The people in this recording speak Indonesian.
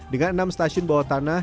dengan enam stasiun bawah tanah